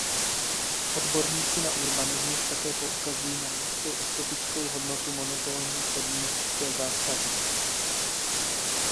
Odborníci na urbanismus také poukazují na nízkou estetickou hodnotu monotónní předměstské zástavby.